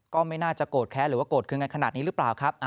ก็ไม่น่าจะโกรธแค้นหรือว่าโกรธเครื่องกันขนาดนี้หรือเปล่าครับ